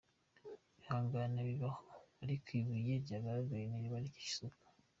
Ihangane bibaho ariko ibuye ryagaragaye ntiriba rikishe isuka.